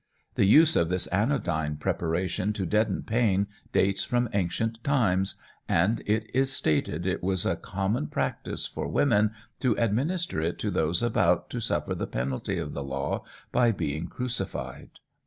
The use of this anodyne preparation to deaden pain dates from ancient times, and it is stated it was a common practice for women to administer it to those about to suffer the penalty of the law by being crucified.